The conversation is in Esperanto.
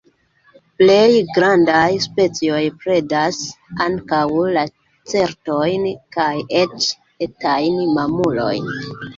Plej grandaj specioj predas ankaŭ lacertojn kaj eĉ etajn mamulojn.